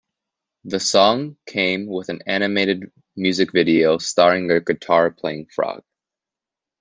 The song came with an animated music video starring a guitar playing frog.